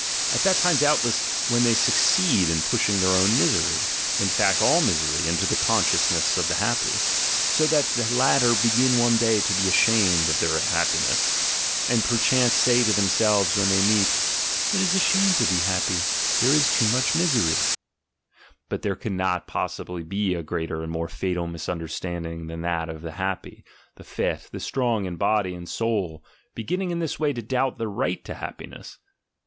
At that time, doubtless, when they succeed in pushing their own misery, in fact, all misery, into the consciousness of the happy: so that the latter begin one day to be ashamed of their happiness, and perchance say ASCETIC IDEALS 131 to themselves when they meet, "It is a shame to be happy; there is too much misery!" ... But there could not possibly be a greater and more fatal misunderstanding than that of the happy, the fit, the strong in body and soul, beginning in this way to doubt their right to hap piness.